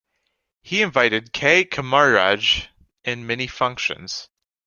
He invited K. Kamaraj in many functions.